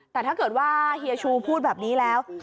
แต่ถ้าเกิดว่าเฮียชูพูดแบบนี้แล้ว